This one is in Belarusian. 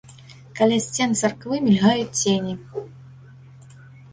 Каля сцен царквы мільгаюць цені.